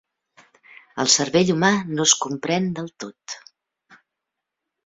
El cervell humà no es comprèn del tot.